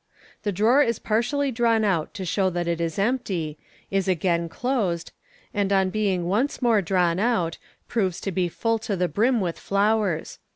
The drawer is partially drawn out to show that it is empty, is again closed, and on being once more drawn out, proves to be full to the brim with flowers.